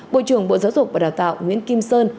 bộ trưởng bộ giáo dục và đào tạo nguyễn kim sơn